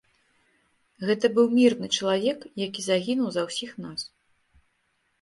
Гэта быў мірны чалавек, які загінуў за ўсіх нас.